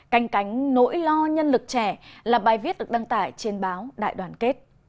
canh cánh nỗi lo nhân lực trẻ là bài viết được đăng tải trên báo đại đoàn kết